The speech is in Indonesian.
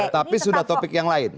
tapi sudah topik yang lain